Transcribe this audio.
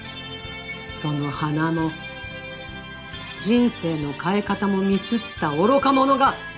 その鼻も人生の変え方もミスった愚か者が。